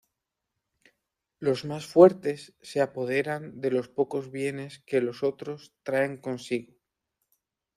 Los más fuertes se apoderan de los pocos bienes que los otros traen consigo.